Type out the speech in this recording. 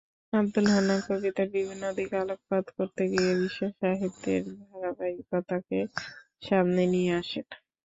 আবদুল হান্নান কবিতার বিভিন্ন দিক আলোকপাত করতে গিয়ে বিশ্বসাহিত্যের ধারাবাহিকতাকে সামনে নিয়ে আসেন।